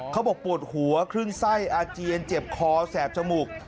ปวดหัวคลื่นไส้อาเจียนเจ็บคอแสบจมูก